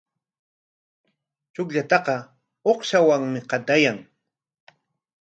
Chukllataqa uqshawanmi qatayan.